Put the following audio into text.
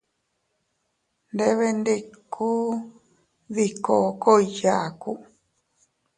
Nndebenndikun dii kookoy yaaku.